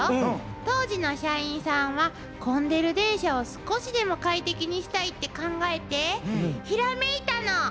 当時の社員さんは混んでる電車を少しでも快適にしたいって考えてひらめいたの！